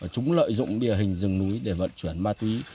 chúng lợi dụng địa hình rừng núi để vận chuyển ma túy